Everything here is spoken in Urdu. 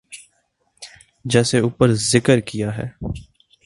جیسے اوپر ذکر کیا ہے۔